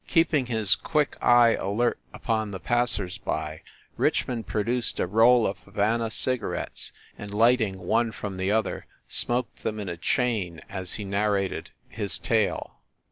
Keeping his quick eye alert upon the passers by, Richmond produced a roll of Havana cigarettes and, lighting one from the other, smoked them in a chain as he narrated his tale.